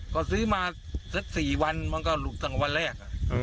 ก็ซื้อมาสัก๔วันมันก็หลุดตั้งแต่วันแรก